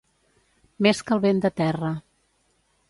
Més que el vent de terra.